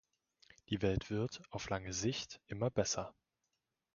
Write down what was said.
Die Welt wird, auf lange Sicht, immer besser.